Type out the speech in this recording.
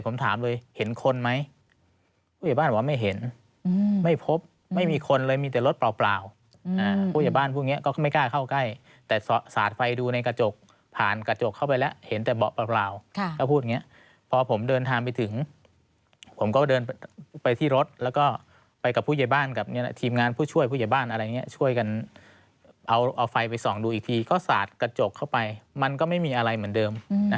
ผมถามเลยเห็นคนไหมผู้ใหญ่บ้านบอกว่าไม่เห็นไม่พบไม่มีคนเลยมีแต่รถเปล่าผู้ใหญ่บ้านพวกนี้ก็ไม่กล้าเข้าใกล้แต่สาดไฟดูในกระจกผ่านกระจกเข้าไปแล้วเห็นแต่เบาะเปล่าก็พูดอย่างนี้พอผมเดินทางไปถึงผมก็เดินไปที่รถแล้วก็ไปกับผู้ใหญ่บ้านกับทีมงานผู้ช่วยผู้ใหญ่บ้านอะไรอย่างนี้ช่วยกันเอาไฟไปส่องดูอีกทีก็สาดกระจกเข้าไปมันก็ไม่มีอะไรเหมือนเดิม